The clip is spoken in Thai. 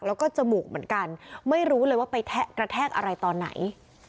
แล้วก็จมูกเหมือนกันไม่รู้เลยว่าไปกระแทกอะไรตอนไหน